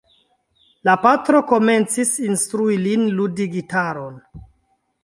La patro komencis instrui lin ludi gitaron.